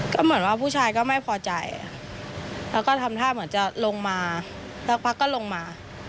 ก็เหมือนว่าผู้ชายก็ไม่พอใจแล้วก็ทำท่าเหมือนจะลงมาสักพักก็ลงมา